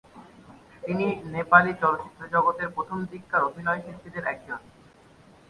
তিনি নেপালি চলচ্চিত্র জগতের প্রথম দিককার অভিনয়শিল্পীদের একজন।